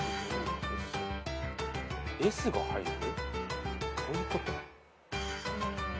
Ｓが入る？